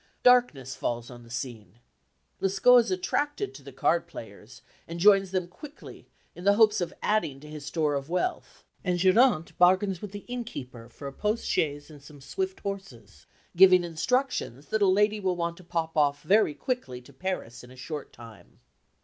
Darkness falls on the scene. Lescaut is attracted to the card players, and joins them quickly in the hopes of adding to his store of wealth, and Geronte bargains with the innkeeper for a post chaise and some swift horses, giving instructions that a lady will want to pop off very quickly to Paris in a short time.